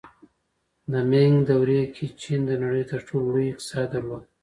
د مینګ دورې کې چین د نړۍ تر ټولو لوی اقتصاد درلود.